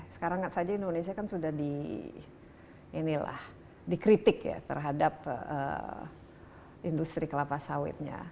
sekarang saja indonesia kan sudah dikritik ya terhadap industri kelapa sawitnya